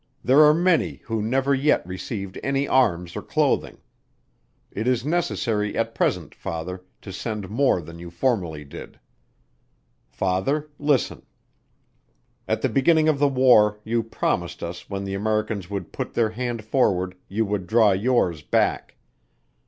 There are many who never yet received any arms or clothing. It is necessary at present, Father, to send more than you formerly did. "Father Listen. At the beginning of the war you promised us when the Americans would put their hand forward you would draw yours back.